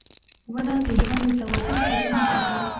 • ونه د ژوند د توازن ساتنه کوي.